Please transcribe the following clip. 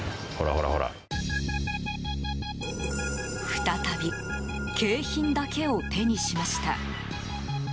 再び、景品だけを手にしました。